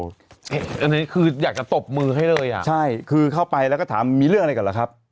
อันนี้คืออยากจะตบมือให้เลยอ่ะใช่คือเข้าไปแล้วก็ถามมีเรื่องอะไรกันเหรอครับ